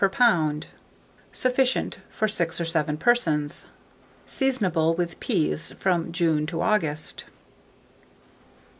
per lb. Sufficient for 6 or 7 persons. Seasonable, with peas, from June to August.